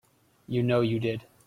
You know you did.